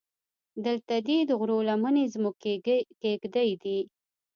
دلته دې د غرو لمنې زموږ کېږدۍ دي.